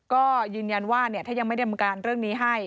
ก็ยืนยันว่าถ้ายังไม่ได้มีการเรื่องนี้ให้